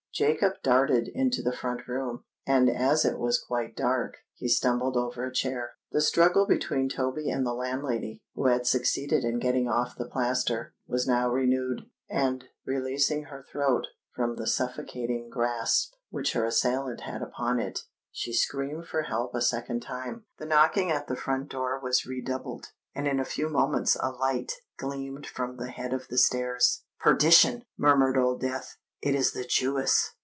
Jacob darted into the front room; and as it was quite dark, he stumbled over a chair. The struggle between Toby and the landlady, who had succeeded in getting off the plaster, was now renewed; and, releasing her throat from the suffocating grasp which her assailant had upon it, she screamed for help a second time. The knocking at the front door was redoubled; and in a few moments a light gleamed from the head of the stairs. "Perdition!" murmured old Death: "it is the Jewess!"